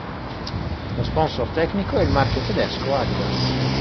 Lo sponsor tecnico è il marchio Tedesco Adidas.